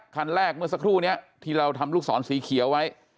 คันแรกเมื่อสักครู่นี้ที่เราทำลูกศรสีเขียวไว้